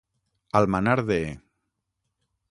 Al manar de.